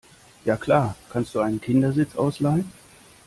ja klar, kannst du einen Kindersitz ausleihen.